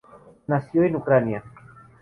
Nació en Ucrania.